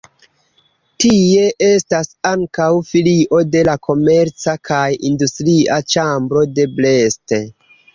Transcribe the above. Tie estas ankaŭ filio de la komerca kaj industria ĉambro de Brest.